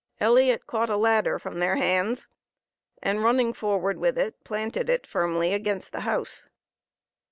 Elliot caught a ladder from their hands and, running forward with it, planted it firmly against the house.